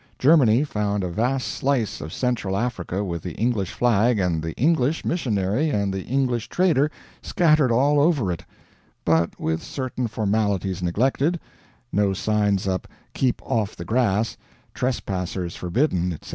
Germany found a vast slice of Central Africa with the English flag and the English missionary and the English trader scattered all over it, but with certain formalities neglected no signs up, "Keep off the grass," "Trespassers forbidden," etc.